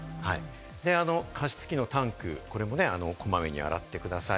そして加湿器のタンク、これもこまめに洗ってください。